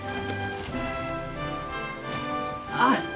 あっ！